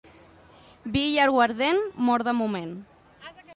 Vi i aiguardent, mort de moment.